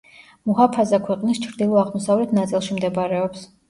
მუჰაფაზა ქვეყნის ჩრდილო-აღმოსავლეთ ნაწილში მდებარეობს.